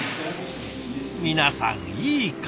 皆さんいい顔！